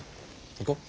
行こう。